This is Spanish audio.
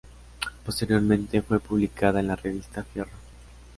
Posteriormente fue publicada en la revista Fierro.